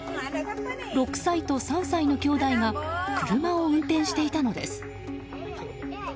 ６歳と３歳の兄弟が車を運転していたのです。